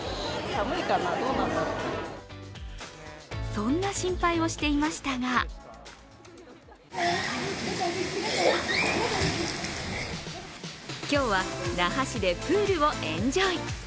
そんな心配をしていましたが今日は那覇市でプールをエンジョイ。